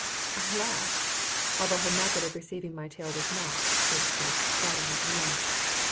I laugh, although her method of receiving my tale was not, so to speak, flattering to me.